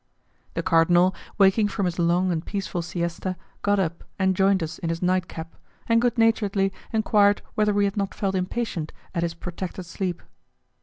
The cardinal, waking from his long and peaceful siesta, got up and joined us in his night cap, and good naturedly enquired whether we had not felt impatient at his protracted sleep.